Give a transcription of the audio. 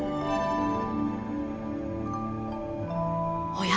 おや？